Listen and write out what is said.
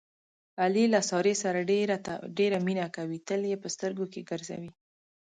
علي له سارې سره ډېره مینه کوي، تل یې په سترګو کې ګرځوي.